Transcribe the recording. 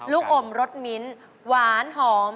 ลูกอมรสมินทร์หวานหอม